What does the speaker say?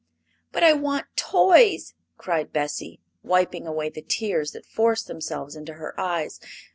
"But I want toys!" cried Bessie, wiping away the tears that forced themselves into her eyes.